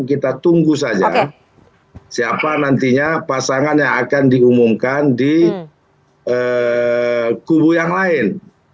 kita tunggu saja siapa nantinya pasangan yang akan diumumkan di kubu yang lain